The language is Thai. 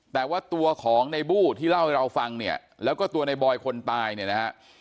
แต่ว่าตัวของในบู้ที่เล่าให้เราฟังเนี่ยแล้วก็ตัวในบอยคนตายเนี่ยนะฮะ